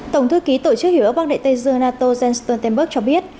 tổng thư ký tổ chức hiểu ước bắc đại tây dương nato jens stoltenberg cho biết